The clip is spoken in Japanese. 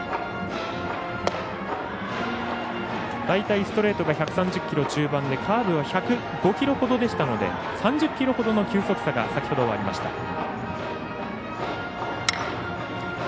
大体ストレートが１３０キロ中盤でカーブが１０５キロほどでしたので３０キロほどの球速差が先ほど、ありました。